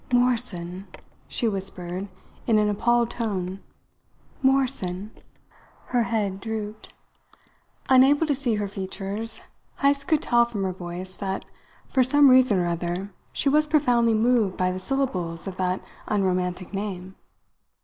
"Morrison!" she whispered in an appalled tone. "Morrison!" Her head drooped. Unable to see her features, Heyst could tell from her voice that for some reason or other she was profoundly moved by the syllables of that unromantic name.